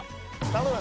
頼む！